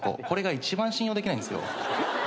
これが一番信用できないんですよ。